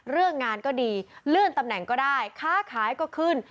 เรื่องงานก็ดีเลื่อนตำแหน่งก็ได้ค้าขายก็ขึ้น